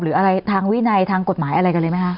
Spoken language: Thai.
หรืออะไรทางวินัยทางกฎหมายอะไรกันเลยไหมคะ